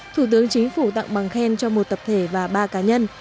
thủ tướng chính phủ tặng bằng khen cho một tập thể và ba cá nhân